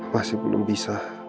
masih belum bisa